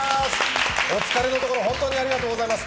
お疲れのところ、本当にありがとうございます。